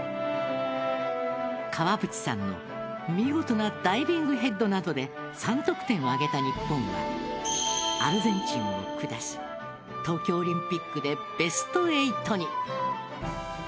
川淵さんの見事なダイビングヘッドなどで３得点を挙げた日本はアルゼンチンを下し東京オリンピックでベスト８に。